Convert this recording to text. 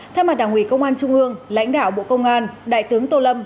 theo mặt đảng ủy công an trung ương lãnh đạo bộ công an đại tướng tô lâm